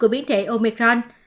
biến thể omicron